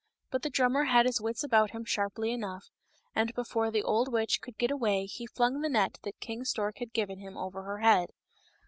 But the drummer had his wits about him sharply enough, and before the old witch could get away he flung the net that King Stork had given him over her head.